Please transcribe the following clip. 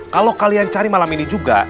kalau kalian cari malam ini juga